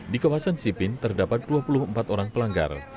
di kawasan sipin terdapat dua puluh empat orang pelanggar